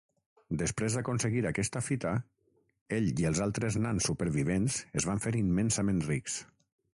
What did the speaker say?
Després d'aconseguir aquesta fita, ell i els altres nans supervivents es van fer immensament rics.